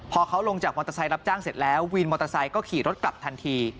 พอเขาลงจากมอเตอร์ไซค์รับจ้างเสร็จแล้ววินมอเตอร์ไซค์ก็ขี่รถกลับทันที